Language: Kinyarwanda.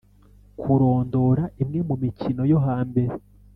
kurondora imwe mu mikino yo hambere.